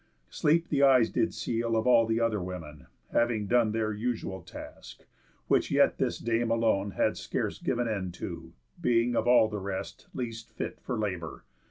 Sleep the eyes did seal Of all the other women, having done Their usual task; which yet this dame alone Had scarce giv'n end to, being, of all the rest, Least fit for labour.